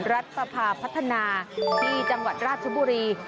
รัฐสภาพัฒนาที่จังหวัดราชบุรี